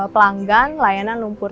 pelanggan layanan lumpur